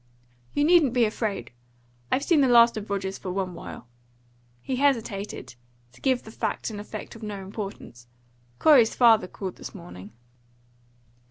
"You needn't be afraid. I've seen the last of Rogers for one while." He hesitated, to give the fact an effect of no importance. "Corey's father called this morning."